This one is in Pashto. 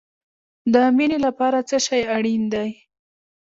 د مینې لپاره څه شی اړین دی؟